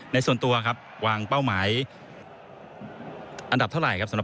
ส่วนตัวครับวางเป้าหมายอันดับเท่าไหร่ครับ